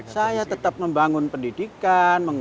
saya tetap membangun pendidikan